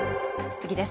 次です。